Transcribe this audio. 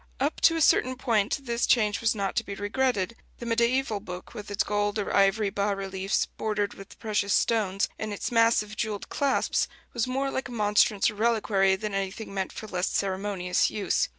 Up to a certain point this change was not to be regretted: the mediæval book, with its gold or ivory bas reliefs bordered with precious stones, and its massive jewelled clasps, was more like a monstrance or reliquary than anything meant for less ceremonious use.